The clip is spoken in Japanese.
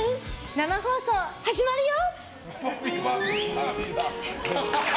生放送、始まるよ！